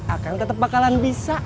akan tetep bakalan bisa